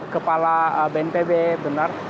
kepala bnpb benar